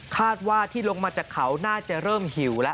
คาดว่าที่ลงมาจากเขาน่าจะเริ่มหิวแล้ว